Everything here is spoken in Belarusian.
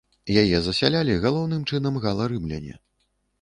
Яе засялялі галоўным чынам гала-рымляне.